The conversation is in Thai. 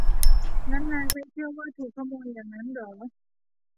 งั้นนายไม่เชื่อว่าถูกขโมยหยั่งงั้นหรอ